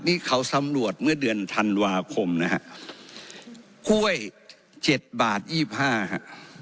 นี่เขาสำรวจเมื่อเดือนธันวาคมนะฮะกล้วยเจ็ดบาทยี่สิบห้าฮะ